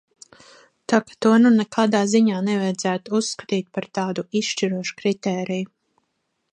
Tā ka to nu nekādā ziņā nevajadzētu uzskatīt par tādu izšķirošu kritēriju.